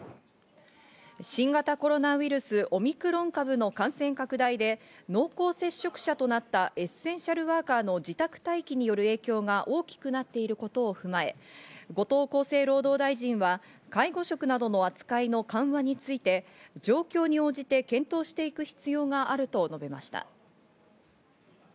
新型コロナウイルス、オミクロン株の感染拡大で濃厚接触者となったエッセンシャルワーカーの自宅待機による影響が大きくなっていることを踏まえ、後藤厚生労働大臣は介護職などの扱いの緩和について状況に応じて検討していく必要があると述べました。